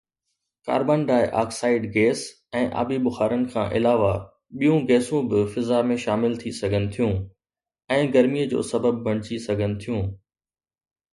Carbon dioxide gas ۽ آبي بخارن کان علاوه ٻيون گيسون به فضا ۾ شامل ٿي سگهن ٿيون ۽ گرميءَ جو سبب بڻجي سگهن ٿيون.